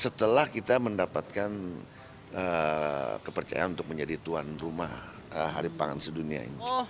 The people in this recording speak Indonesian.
setelah kita mendapatkan kepercayaan untuk menjadi tuan rumah hari pangan sedunia ini